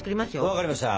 分かりました！